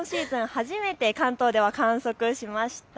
初めて関東では観測しました。